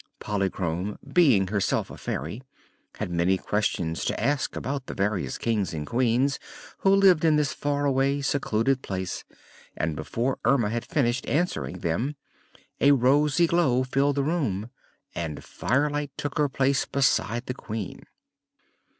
Polychrome, being herself a fairy, had many questions to ask about the various Kings and Queens who lived in this far away, secluded place, and before Erma had finished answering them a rosy glow filled the room and Firelight took her place beside the Queen.